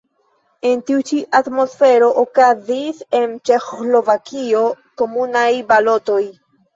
En tiu ĉi atmosfero okazis en Ĉeĥoslovakio komunaj balotoj.